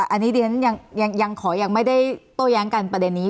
อันนี้ดิฉันยังขอยังไม่ได้โต้แย้งกันประเด็นนี้